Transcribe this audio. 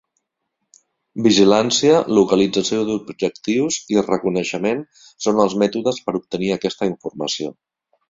"Vigilància", "localització d'objectius" i "reconeixement" són els mètodes per obtenir aquesta informació.